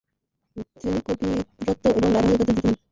তিনি 'কবিরত্ম' এবং রায় বাহাদুর উপাধিতে ভূষিত হন।